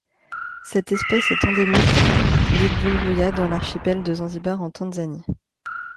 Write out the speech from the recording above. Cette espèce est endémique l'île d'Unguja dans l'archipel de Zanzibar en Tanzanie.